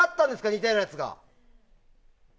似たようなやつが。